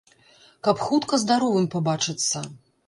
Каб хутка здаровым пабачыцца.